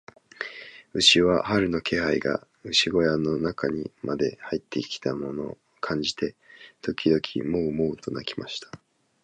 牛は、春の気配が牛小屋の中にまで入ってきたのを感じて、時々モウ、モウと鳴きました。